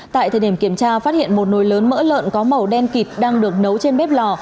tại thời điểm kiểm tra phát hiện một nồi lớn mỡ lợn có màu đen kịp đang được nấu trên bếp lò